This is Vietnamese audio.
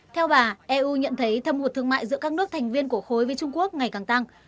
theo bà eu nhận thấy thâm hụt thương mại giữa các nước thành viên của khối với trung quốc ngày càng tăng